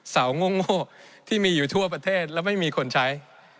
เสาโง่ที่มีอยู่ทั่วประเทศแล้วไม่มีคนใช้